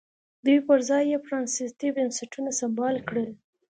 دوی پر ځای یې پرانیستي بنسټونه سمبال کړل.